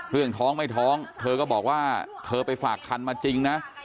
เรื่องท้องไม่ท้องเธอก็บอกว่าเธอไปฝากคันมาจริงนะ